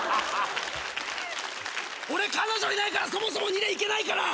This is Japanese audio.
俺彼女いないからそもそも２で行けないから。